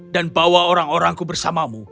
dan bawa orang orangku bersama sama